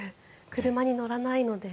車に乗らないので。